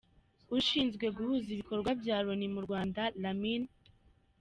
Ushinzwe guhuza ibikorwa bya Loni mu Rwanda, Lamin M.